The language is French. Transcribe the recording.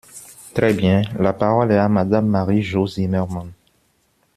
Très bien ! La parole est à Madame Marie-Jo Zimmermann.